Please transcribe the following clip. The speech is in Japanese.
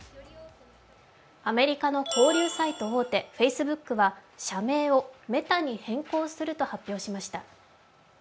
アメリカの交流サイト大手、Ｆａｃｅｂｏｏｋは社名をメタに変更すると発表しました。